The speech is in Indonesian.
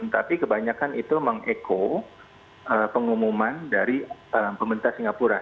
tapi kebanyakan itu meng echo pengumuman dari pemerintah singapura